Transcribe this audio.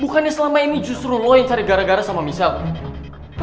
bukannya selama ini justru lo yang cari gara gara sama michelle